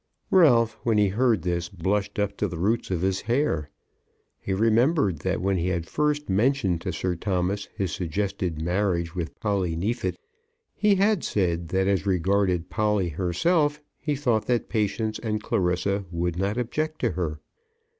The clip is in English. Ralph when he heard this blushed up to the roots of his hair. He remembered that when he had first mentioned to Sir Thomas his suggested marriage with Polly Neefit he had said that as regarded Polly herself he thought that Patience and Clarissa would not object to her.